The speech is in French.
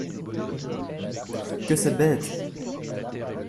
Que c’est bête !